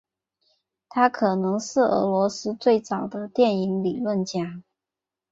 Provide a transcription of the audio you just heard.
他很可能是俄罗斯最早的电影理论家。